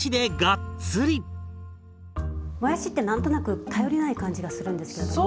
もやしって何となく頼りない感じがするんですよね。